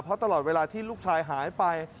เพราะตลอดเวลาที่ลูกชายหายไป